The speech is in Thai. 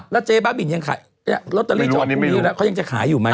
แล้วเจ๊บ้าบิ่นยังขายลอตเตอรี่จอดนี้แล้วเขายังจะขายอยู่ไหม